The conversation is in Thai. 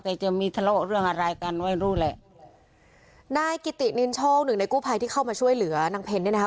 แต่จะมีทะเลาะเรื่องอะไรกันไว้รู้แหละนายกิตินินโชคหนึ่งในกู้ภัยที่เข้ามาช่วยเหลือนางเพ็ญเนี่ยนะคะ